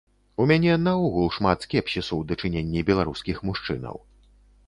У мяне наогул шмат скепсісу ў дачыненні беларускіх мужчынаў.